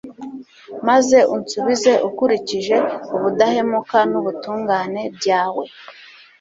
maze unsubize ukurikije ubudahemuka n’ubutungane byawe